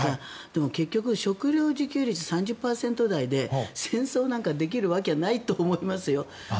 でも結局、食料自給率３０％台で戦争なんかできるわけないと思いますよ。